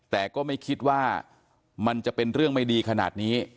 แต่ก็ไม่คิดว่ามันจะเป็นเรื่องไม่ดีขนาดนี้